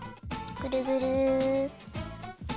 ぐるぐる。